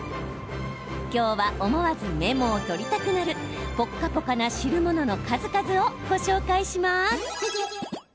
今日は思わずメモを取りたくなるポッカポカな汁物の数々をご紹介します。